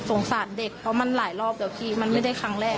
สารเด็กเพราะมันหลายรอบแล้วพี่มันไม่ได้ครั้งแรก